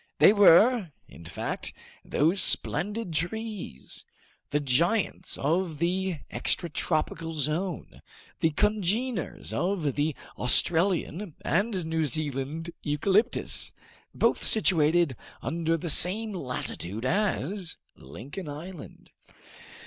They were, in fact, those splendid trees, the giants of the extratropical zone, the congeners of the Australian and New Zealand eucalyptus, both situated under the same latitude as Lincoln Island.